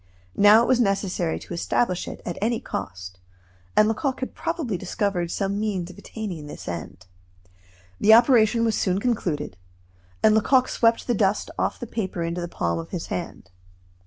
Now it was necessary to establish it, at any cost, and Lecoq had probably discovered some means of attaining this end. The operation was soon concluded; and Lecoq swept the dust off the paper into the palm of his hand.